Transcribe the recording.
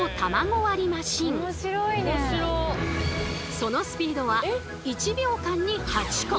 そのスピードは１秒間に８個。